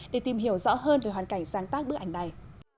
để tìm hiểu rõ hơn về hoàn cảnh sáng tác bức ảnh này